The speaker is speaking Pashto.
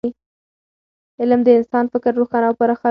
علم د انسان فکر روښانه او پراخوي.